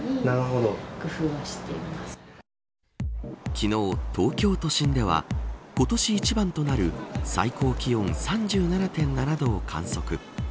昨日、東京都心では今年一番となる最高気温３７．７度を観測。